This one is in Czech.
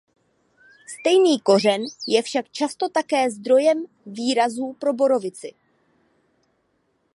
Stejný kořen je však často také zdrojem výrazů pro borovici.